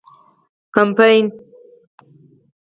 کمپاین